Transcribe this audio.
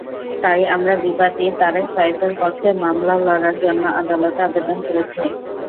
তাই আমরা বিবাদী তারেক সাঈদের পক্ষে মামলা লড়ার জন্য আদালতে আবেদন করেছি।